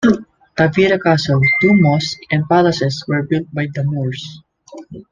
Tavira Castle, two mosques and palaces were built by the Moors.